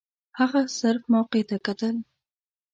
هغه صرف موقع ته کتل.